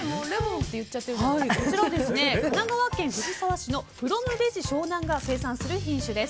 こちらは神奈川県藤沢市のフロム・ベジ湘南が生産する品種です。